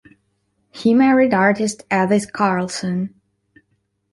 He married artist Edith Carlson.